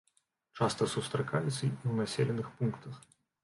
Часта сустракаецца і ў населеных пунктах.